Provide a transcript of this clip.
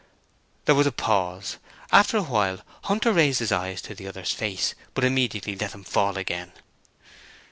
There was a pause. After a while, Hunter raised his eyes to the other's face, but immediately let them fall again.